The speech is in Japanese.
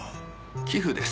寄付です。